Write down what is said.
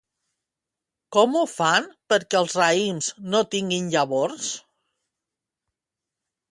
Com ho fan perquè els raïms no tinguin llavors?